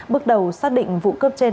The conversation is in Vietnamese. bước đầu xác định vụ cướp trên